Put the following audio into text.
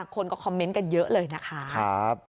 คนก็คอมเมนต์กันเยอะเลยนะคะ